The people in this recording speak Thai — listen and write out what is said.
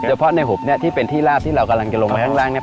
เฉพาะในหุบเนี่ยที่เป็นที่ลาบที่เรากำลังจะลงไปข้างล่างเนี่ย